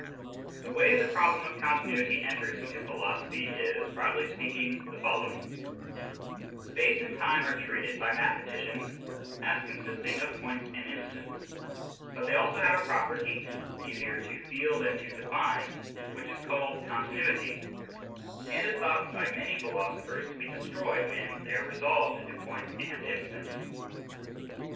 The way the problem of con tinuity enters into philosophy is, broadly speaking, the following : Space and time are treated by mathematicians as consisting of points and instants, but they also have a property, easier to feel than to define, which is called continuity, and is thought by many philosophers to be destroyed when they are resolved into points and instants.